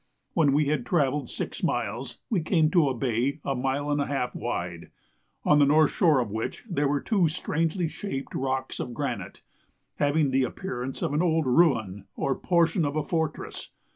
When we had travelled six miles we came to a bay a mile and a half wide, on the north shore of which there were two strangely shaped rocks of granite, having the appearance of an old ruin or portion of a fortress.